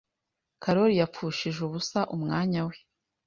Karoli yapfushije ubusa umwanya we.